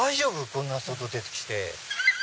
こんな外出てきて。